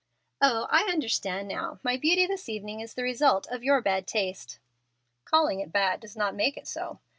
"Oh! I understand now. My beauty this evening is the result of your bad taste." "Calling it 'bad' does not make it so.